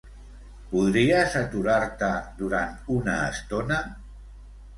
Podries aturar-te durant una estona?